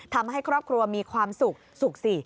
ทำให้ครอบครัวมีความสุขสุขสิ